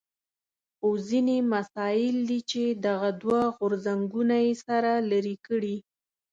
خو ځینې مسایل دي چې دغه دوه غورځنګونه یې سره لرې کړي.